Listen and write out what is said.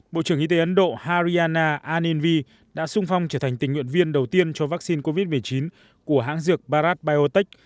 bộ trưởng y tế ấn độ hariana annevi đã sung phong trở thành tình nguyện viên đầu tiên cho vaccine covid một mươi chín của hãng dược bharat biotech